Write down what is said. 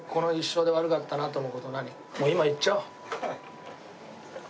もう今言っちゃおう。